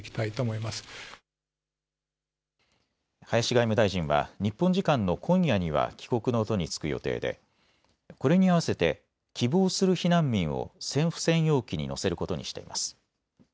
林外務大臣は日本時間の今夜には帰国の途に就く予定でこれに合わせて希望する避難民を政府専用機に乗せることにしています。